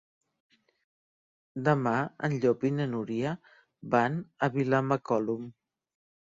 Demà en Llop i na Núria van a Vilamacolum.